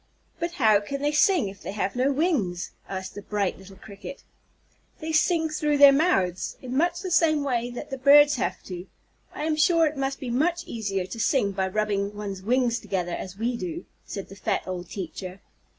"But how can they sing if they have no wings?" asked the bright little Cricket. "They sing through their mouths, in much the same way that the birds have to. I am sure it must be much easier to sing by rubbing one's wings together, as we do," said the fat old teacher.